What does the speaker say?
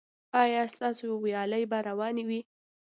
ایا ستاسو ویالې به روانې وي؟